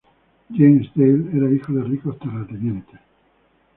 James Dale era hijo de ricos terratenientes.